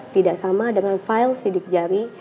tidak sama dengan file sidik jari